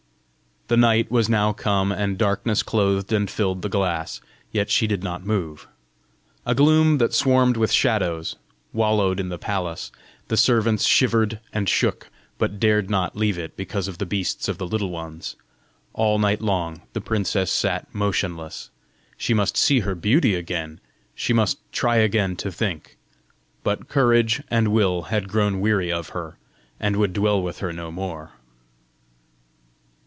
The night was now come, and darkness clothed and filled the glass, yet she did not move. A gloom that swarmed with shadows, wallowed in the palace; the servants shivered and shook, but dared not leave it because of the beasts of the Little Ones; all night long the princess sat motionless: she must see her beauty again! she must try again to think! But courage and will had grown weary of her, and would dwell with her no more!